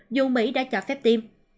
dù mỹ đã trả phép tiêm